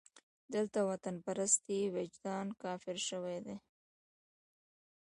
دلته د وطنپرستۍ وجدان کافر شوی دی.